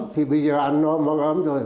thì bây giờ ăn no mặc ấm rồi